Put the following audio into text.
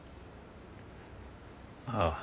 ああ。